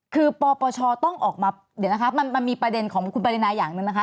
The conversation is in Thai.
คือปปชต้องออกมาเดี๋ยวนะคะมันมีประเด็นของคุณปรินาอย่างหนึ่งนะคะ